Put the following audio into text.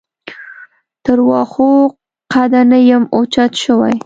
تر واښو قده نه یم اوچت شوی.